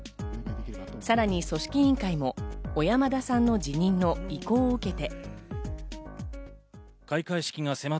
さらに組織委員会も小山田さんの辞任の意向を受けて。